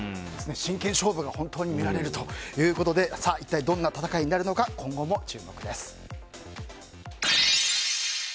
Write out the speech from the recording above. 真剣勝負が本当に見られるということで一体どんな戦いになるのか今後も注目です。